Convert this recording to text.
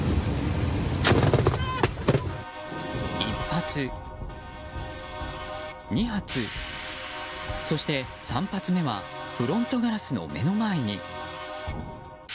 １発、２発、そして３発目はフロントガラスの目の前に。